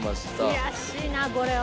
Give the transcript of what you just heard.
悔しいなこれは。